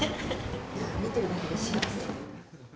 見てるだけで幸せ。